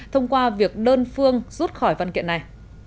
thông qua việc đơn phương rút khỏi văn kiện này